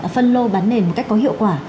phân lô bán nền một cách có hiệu quả